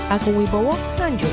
aku wipo wong nganjuk